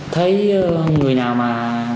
thấy người nào mà